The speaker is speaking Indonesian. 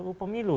jadi ruu pemilu